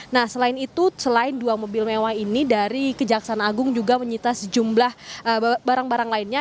nah selain itu selain dua mobil mewah ini dari kejaksaan agung juga menyita sejumlah barang barang lainnya